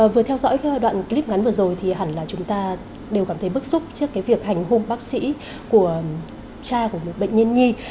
vừa theo dõi đoạn clip ngắn vừa rồi thì hẳn là chúng ta đều cảm thấy bức xúc trước cái việc hành hung bác sĩ của cha của một bệnh nhi